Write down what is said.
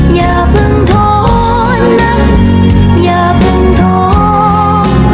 อย่าทอดใจนะอย่าทอดใจ